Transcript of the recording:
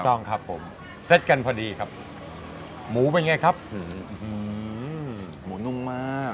ต้องครับผมเซ็ตกันพอดีครับหมูเป็นไงครับหมูนุ่มมาก